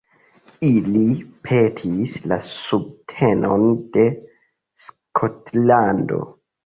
Ili petis la subtenon de Skotlando.